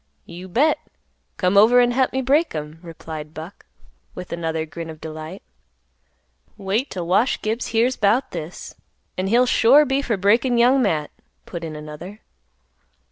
"You bet; come over an' hep me break 'em," replied Buck, with another grin of delight. "Wait 'till Wash Gibbs hears 'bout this, an' he'll sure be for breakin' Young Matt," put in another.